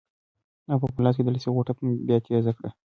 هغه په خپل لاس کې د لسي غوټه بیا تېزه کړه.